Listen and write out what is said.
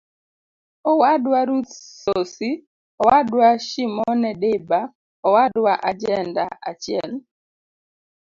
Owadwa Ruth Sosi Owadwa Shimone Diba Owadwa Ajenda-achiel.